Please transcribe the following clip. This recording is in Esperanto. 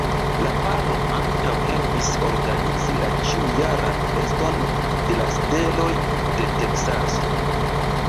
La paro ankaŭ helpis organizi la ĉiujaran Feston de la Steloj de Teksaso.